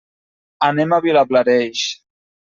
Anem a Vilablareix.